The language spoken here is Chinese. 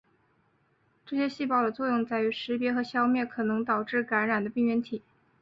这些细胞的作用在于识别和消灭可能导致感染的病原体。